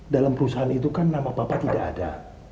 dalam perusahaan itu kan nama bapak tidak ada